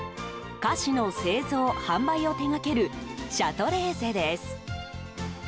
菓子の製造・販売を手掛けるシャトレーゼです。